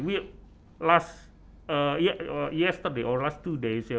kali ini atau di beberapa hari yang lalu